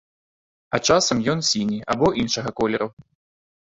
А часам ён сіні або іншага колеру.